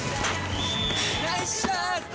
ナイスシュート！